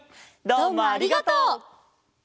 どうもありがとう！